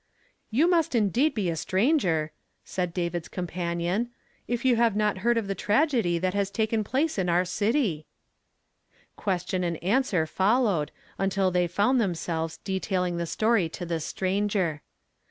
" You must indeed be a stranger, " said David's companion, " if you have not heard of the tragedy that has taken place in our city!" qjiiestioii and answer followed until Lhey found themselves detailing the story to this stranger. 332 YESTERDAY FRAMED IN TO DAY.